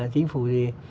chính phủ gì